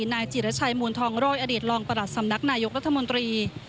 นายจิรชัยมูลทองร่อยอดีตรองประหลัดสำนักนายกรัฐมนตรี